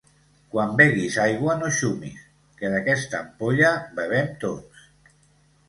Quan beguis aigua no xumis, que d'aquesta ampolla bevem tots.